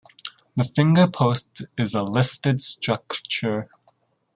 The finger post is a listed structure.